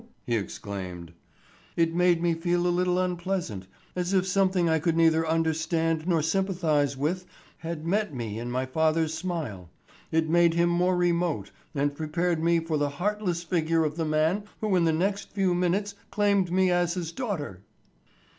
he exclaimed. "It made me feel a little unpleasant, as if something I could neither understand nor sympathize with had met me in my father's smile. It made him more remote, and prepared me for the heartless figure of the man who in the next few minutes claimed me as his daughter."